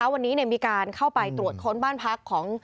วันนี้มีการเข้าไปตรวจค้นบ้านพักของ